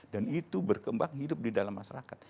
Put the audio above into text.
dan itu berkembang hidup di dalam masyarakat